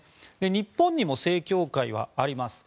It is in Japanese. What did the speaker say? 日本にも正教会はあります。